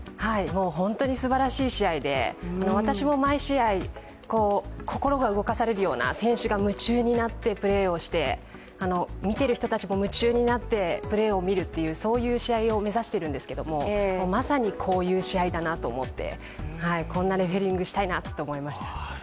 本当にすばらしい試合で私も毎試合、心が動かされるような、選手が夢中になってプレーをして、見ている人たちも夢中になってプレーを見るっていうそういう試合を目指しているんですけど、まさにこういう試合だなと思ってこんなレフェリングしたいなと思いました。